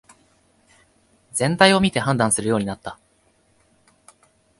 全体を見て判断するようになった